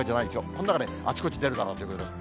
この中であちこち出るだろうということです。